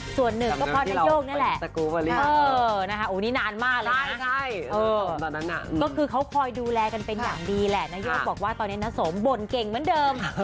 ส่วนหนึ่งก็เพราะนโยกนี่แหละโอ้นี่นานมากแล้วก็คือเขาคอยดูแลกันเป็นอย่างดีแหละนโยกบอกว่าตอนนี้น้าสมบ่นเก่งเหมือนเดิม